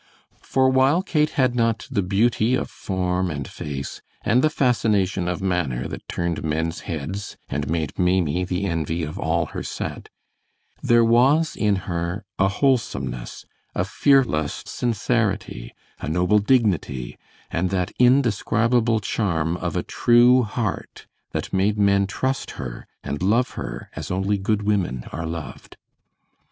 For while Kate had not the beauty of form and face and the fascination of manner that turned men's heads and made Maimie the envy of all her set, there was in her a wholesomeness, a fearless sincerity, a noble dignity, and that indescribable charm of a true heart that made men trust her and love her as only good women are loved.